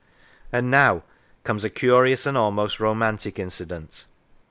And now comes a curious and almost romantic incident.